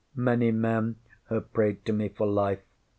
Many men have prayed to me for life.